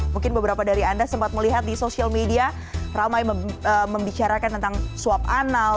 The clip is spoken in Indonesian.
mungkin beberapa dari anda sempat melihat di sosial media ramai membicarakan tentang suap anal